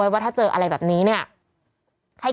ว่าถ้าเจออะไรแบบนี้เนี่ย